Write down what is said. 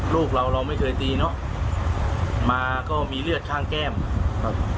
ลูกเราเราไม่เคยตีเนอะมาก็มีเลือดข้างแก้มครับ